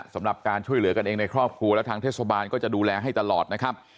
สำหรับการช่วยเหลือกันเองในครอบครัวและทางเทศบาลก็จะดูแลให้ตลอดนะครับ